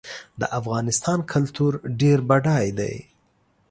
د افغانستان کلتور ډېر بډای دی.